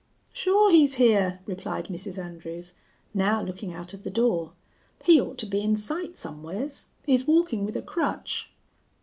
"Sure he's here," replied Mrs. Andrews, now looking out of the door. "He ought to be in sight somewheres. He's walkin' with a crutch."